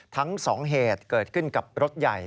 ทั้ง๒เหตุเกิดขึ้นกับรถใหญ่